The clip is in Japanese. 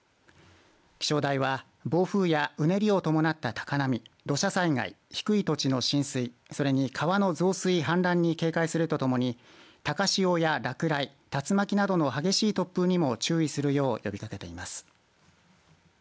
気象台は暴風やうねりを伴った高波土砂災害、低い土地の浸水それに川の増水、氾濫に警戒するとともに高潮や落雷竜巻などの激しい突風にも注意するよう呼びかけています。